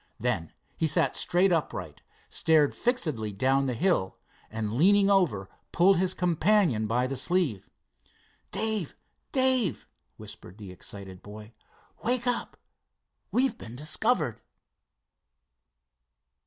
Then he sat straight upright, stared fixedly down the hill, and leaning over pulled his companion by the sleeve. "Dave! Dave!" whispered the excited boy "wake up! We've been discovered!"